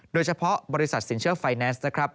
โดยเฉพาะบริษัทสินเชื่อไฟแนนซ์นะครับ